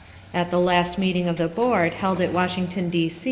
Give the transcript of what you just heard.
At the last meeting of the board held at Washington, D.